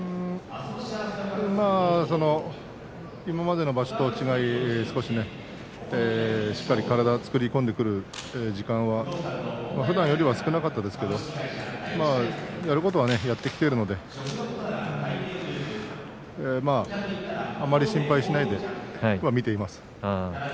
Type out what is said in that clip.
今までの場所とは違って少ししっかり体を作り込んでくる時間はふだんよりは少なかったんですけどやることはやってきているのであまり心配しないで見ています。